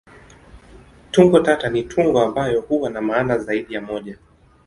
Tungo tata ni tungo ambayo huwa na maana zaidi ya moja.